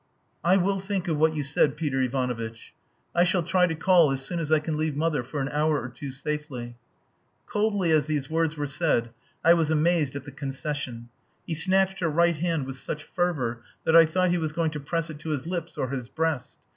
I will think of what you said, Peter Ivanovitch. I shall try to call as soon as I can leave mother for an hour or two safely." Coldly as these words were said I was amazed at the concession. He snatched her right hand with such fervour that I thought he was going to press it to his lips or his breast.